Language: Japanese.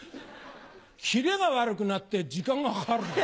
切れが悪くなって時間がかかるんだよ。